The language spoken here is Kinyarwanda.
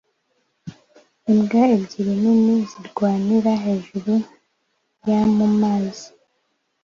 Imbwa ebyiri nini zirwanira hejuru ya mumazi